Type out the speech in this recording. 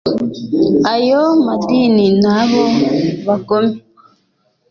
ayo madini n'abo bagome